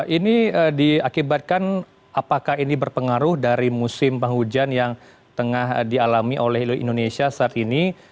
ini diakibatkan apakah ini berpengaruh dari musim penghujan yang tengah dialami oleh indonesia saat ini